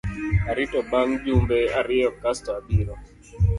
Arito bang’ jumbe ariyo kasto abiro.